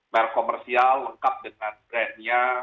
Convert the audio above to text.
merk komersial lengkap dengan brandnya